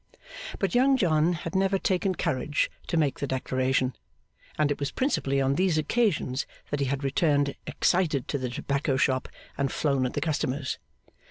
But Young John had never taken courage to make the declaration; and it was principally on these occasions that he had returned excited to the tobacco shop, and flown at the customers.